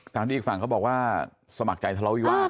ตามที่อีกฝั่งเขาบอกว่าสมัครใจทะเลาวิวาส